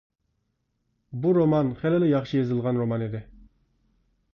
بۇ رومان خېلىلا ياخشى يېزىلغان رومان ئىدى.